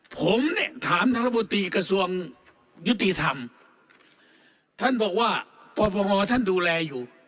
ผมเนี่ยถามทางรัฐมนตรีกระทรวงยุติธรรมท่านบอกว่าปปงท่านดูแลอยู่